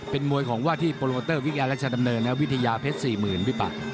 โปรโมเตอร์วิทยาราชดำเนินวิทยาเพชร๔๐๐๐๐พี่ปั๊ก